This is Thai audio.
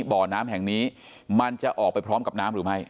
บ่อน้ำแห่งนี้มันจะออกไปพร้อมกับน้ำหรือไม่